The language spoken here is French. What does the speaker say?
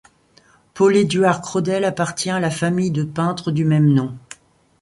Paul Eduard Crodel appartient à la famille de peintres du même nom.